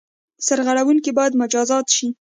سرغړوونکي باید مجازات شي.